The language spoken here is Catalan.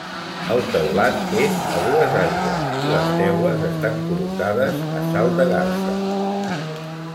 El teulat és a dues aigües i les teules estan col·locades a salt de garsa.